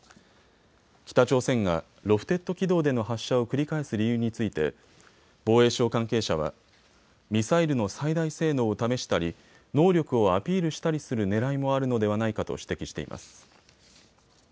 北朝鮮がロフテッド軌道での発射を繰り返す理由について防衛省関係者はミサイルの最大性能を試したり能力をアピールしたりするねらいもあるのではないかと指摘しています。